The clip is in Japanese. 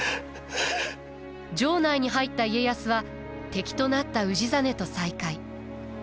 城内に入った家康は敵となった氏真と再会。